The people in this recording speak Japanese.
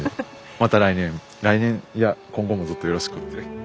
また来年いや今後もずっとよろしくって。